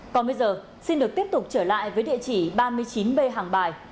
còn bây giờ xin được tiếp tục trở lại với địa chỉ ba mươi chín b hàng bài